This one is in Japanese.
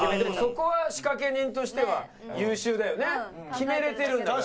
決められてるんだから。